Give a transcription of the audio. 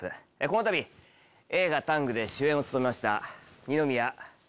このたび映画『ＴＡＮＧタング』で主演を務めました二宮。